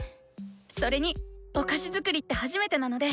それにっお菓子作りって初めてなので！